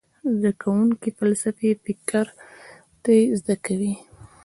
زده کوونکي فلسفي فکر ترې زده کوي.